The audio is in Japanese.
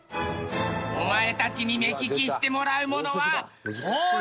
お前たちに目利きしてもらうものは。